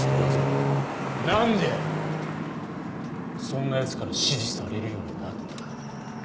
なんでそんな奴から指示されるようになった？